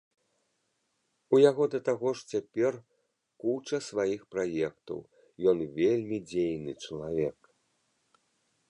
У яго, да таго ж, цяпер куча сваіх праектаў, ён вельмі дзейны чалавек.